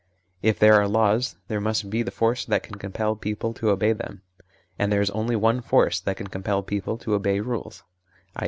If there are laws, there must be the force that can compel people to obey them. And there is only one force that can compel people to obey rules (i.